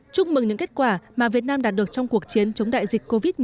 chúc mừng những kết quả mà việt nam đạt được trong cuộc chiến chống đại dịch covid một mươi chín